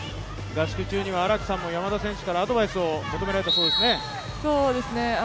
合宿中には荒木さんも山田選手からアドバイスを求められたそうですね。